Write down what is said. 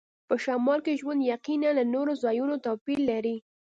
په شمال کې ژوند یقیناً له نورو ځایونو توپیر لري